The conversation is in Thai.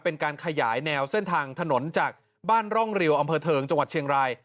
เป็นการขยายแนวเส้นทางถนนจากบ้านร่องริวอำเภอเทิงจังหวัดเชียงราย